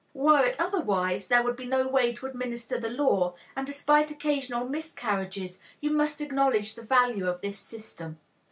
Were it otherwise, there would be no way to administer the law, and despite occasional miscarriages you must acknowledge the value of this system.